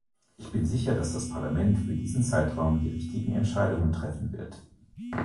Ich bin sicher, dass das Parlament für diesen Zeitraum die richtigen Entscheidungen treffen wird.